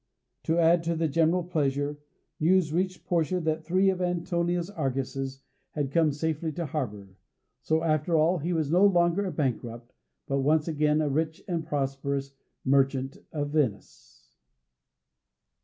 To add to the general pleasure, news reached Portia that three of Antonio's argosies had come safely to harbour, so, after all, he was no longer a bankrupt, but once again a rich and prosperous merchant of Venice.